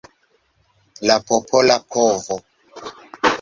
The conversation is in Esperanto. La popola povo.